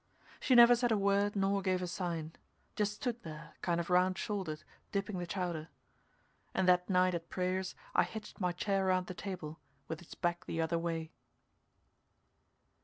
She never said a word nor gave a sign just stood there kind of round shouldered, dipping the chowder. And that night at prayers I hitched my chair around the table, with its back the other way.